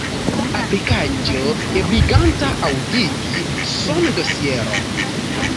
Aplikaĵo ebliganta aŭdigi sondosieron.